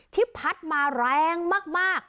ที่พัดมาแรงมาก